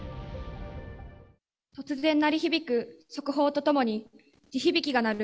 突然鳴り響く速報とともに、地響きが鳴る。